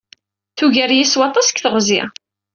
Tugar-iyi s waṭas deg teɣzi.